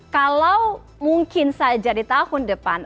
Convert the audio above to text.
kalau mungkin saja di tahun depan